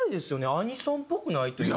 アニソンっぽくないというか。